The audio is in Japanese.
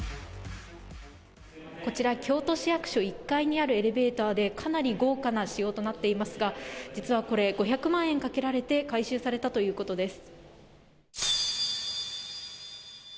こちら、京都市役所１階にあるエレベーターで、かなり豪華な仕様となっていますが、実はこれ、５００万円かけられて改修されたということです。